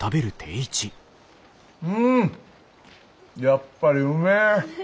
うんやっぱりうめえ。